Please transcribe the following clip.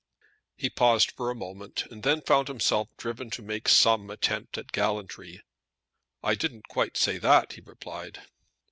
He paused for a moment, and then found himself driven to make some attempt at gallantry. "I didn't quite say that," he replied.